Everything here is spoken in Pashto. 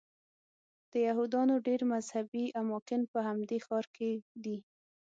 د یهودانو ډېر مذهبي اماکن په همدې ښار کې دي.